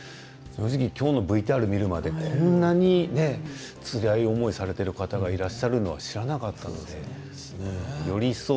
でもＶＴＲを見て、こんなにつらい思いをされている方はいらっしゃると知らなかったです。